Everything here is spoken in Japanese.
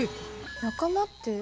仲間って？